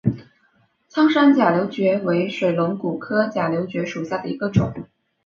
苍山假瘤蕨为水龙骨科假瘤蕨属下的一个种。